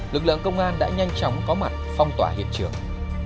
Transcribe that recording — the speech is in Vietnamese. lực lượng công an đã nhanh chóng có mặt phong tỏa hiện trường